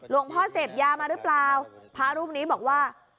พ่อเสพยามาหรือเปล่าพระรูปนี้บอกว่า